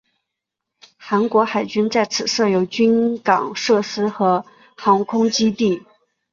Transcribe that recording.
韩国海军在此设有军港设施和航空基地。